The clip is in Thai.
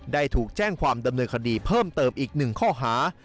ได้ถูกแจ้งความดำเนินคดีเพิ่มเติมอีก๑ข้อหา